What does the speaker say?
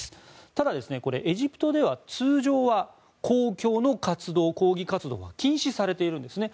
ただ、エジプトでは通常は公共の抗議活動は禁止されているんですね。